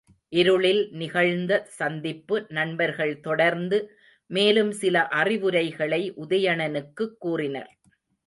இருளில் நிகழ்ந்த சந்திப்பு நண்பர்கள் தொடர்ந்து மேலும் சில அறிவுரைகளை உதயணனுக்குக் கூறினர்.